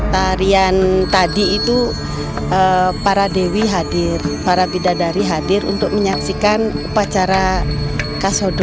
tarian tadi itu para dewi hadir para bidadari hadir untuk menyaksikan upacara kasodo